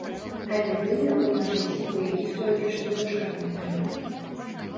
Але тым дапамажыце, у якіх толькі што дачка памерла.